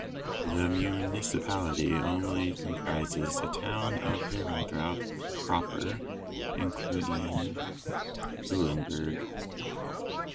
The municipality only comprises the town of Herenthout proper, including Uilenberg.